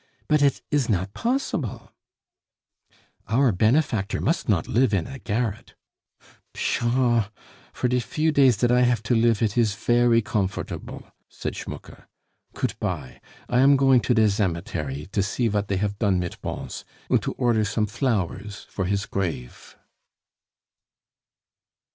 But it is not possible " "Our benefactor must not live in a garret " "Pshaw! for die few tays dat I haf to lif it ees fery komfortable," said Schmucke. "Goot pye; I am going to der zemetery, to see vat dey haf don mit Bons, und to order som flowers for his grafe."